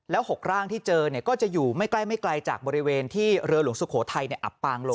๖ร่างที่เจอก็จะอยู่ไม่ใกล้ไม่ไกลจากบริเวณที่เรือหลวงสุโขทัยอับปางลง